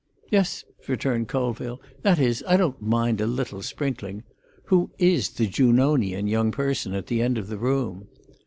"Yes," returned Colville. "That is, I don't mind a little sprinkling. Who is the Junonian young person at the end of the room?"